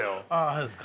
そうですか。